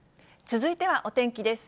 続いてはお天気です。